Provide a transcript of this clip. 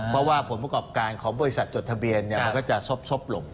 เพราะว่าผลประกอบการของบริษัทจดทะเบียนมันก็จะซบลง